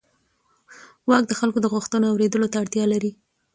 واک د خلکو د غوښتنو اورېدلو ته اړتیا لري.